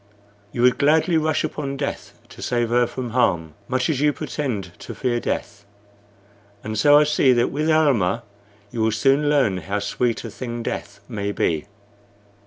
You would gladly rush upon death to save her from harm, much as you pretend to fear death; and so I see that with Almah you will soon learn how sweet a thing death may be."